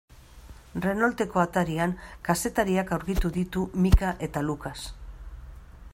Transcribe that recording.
Renaulteko atarian kazetariak aurkitu ditu Micka eta Lucas.